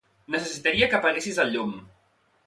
Necessitaria que apaguessis el llum.